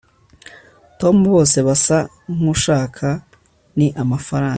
tom bose basa nkushaka ni amafaranga